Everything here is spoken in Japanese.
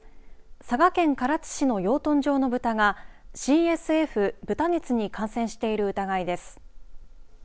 佐賀県唐津市の養豚場の豚がＣＳＦ、豚熱に感染している疑いです。